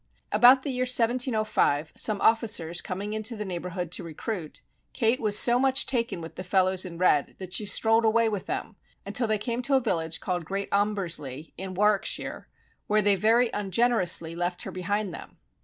About the year 1705, some officers coming into the neighbourhood to recruit, Kate was so much taken with the fellows in red that she strolled away with them, until they came to a village called Great Ombersley in Warwickshire, where they very ungenerously left her behind them.